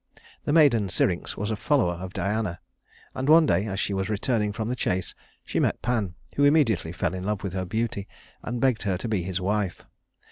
The maiden Syrinx was a follower of Diana; and one day, as she was returning from the chase, she met Pan, who immediately fell in love with her beauty, and begged her to be his wife.